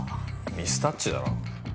ミスタッチだろ。